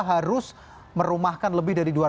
harus merumahkan lebih dari